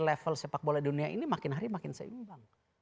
level sepak bola dunia ini makin hari makin seimbang